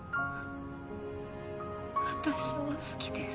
私も好きです。